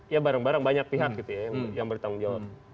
ya bareng bareng banyak pihak gitu ya yang bertanggung jawab